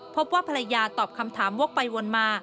พบว่าภรรยาตอบคำถามวกไปวนมา